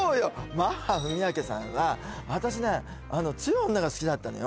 マッハ文朱さんは私ね強い女が好きだったのよ